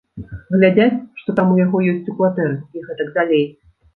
Глядзяць, што там у яго ёсць у кватэры, і гэтак далей.